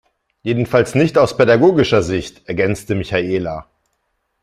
Jedenfalls nicht aus pädagogischer Sicht, ergänzte Michaela.